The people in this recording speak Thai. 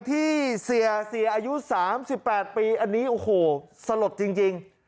ที่เสียเสียอายุสามสิบแปดปีอันนี้โอ้โหสลดจริงจริง